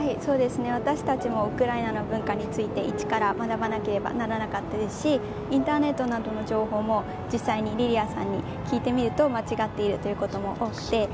私たちもウクライナの文化について一から学ばなければならなかったですしインターネットなどの情報も実際に、リリアさんに聞くと間違っているということも多くて。